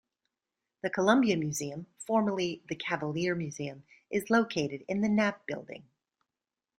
The Columbia Museum, formerly the Cavalier Museum, is located in the Knapp building.